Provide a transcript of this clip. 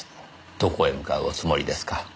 どこへ向かうおつもりですか？